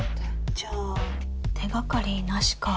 じゃあ手掛かりなしか。